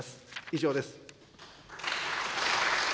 以上です。